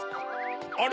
あれ？